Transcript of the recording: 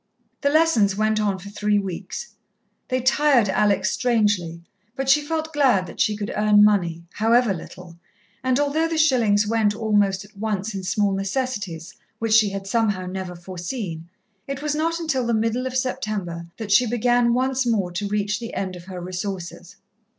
The lessons went on for three weeks. They tired Alex strangely, but she felt glad that she could earn money, however little; and although the shillings went almost at once in small necessities which she had somehow never foreseen, it was not until the middle of September that she began once more to reach the end of her resources.